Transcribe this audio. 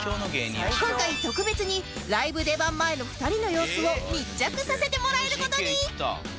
今回特別にライブ出番前の２人の様子を密着させてもらえる事に